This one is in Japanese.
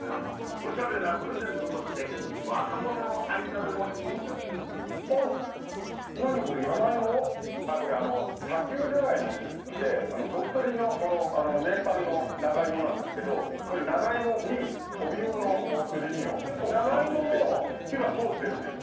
オシャレなプレゼントとして若者の間でも人気にあっこれ砂丘ながいもといって鳥取の名産のながいもなんですけどこれながいもにトビウオのすり身を巻きつけてでもながいもも火は通ってるんでしょ？